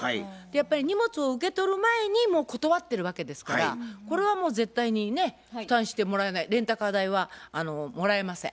やっぱり荷物を受け取る前にもう断ってるわけですからこれはもう絶対にね負担してもらえないレンタカー代はもらえません。